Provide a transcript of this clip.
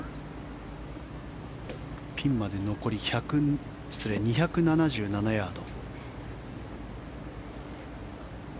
ピンまで残り２７７ヤード。